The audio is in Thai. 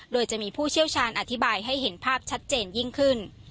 โดยจะมีผู้เชี่ยวชาญอธิบายให้เห็นภาพชัดเจนยิ่งขึ้น